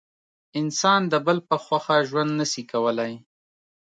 انسان د بل په خوښه ژوند نسي کولای.